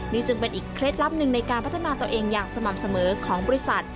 นี่จึงเป็นอีกเคล็ดลับหนึ่งในการพัฒนาตัวเองอย่างสม่ำเสมอของบริษัท